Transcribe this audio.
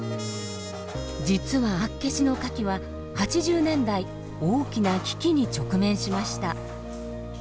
実は厚岸のカキは８０年代大きな危機に直面しました。